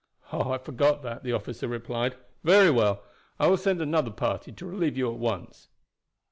"Oh, I forgot that," the officer replied. "Very well, I will send another party to relieve you at once."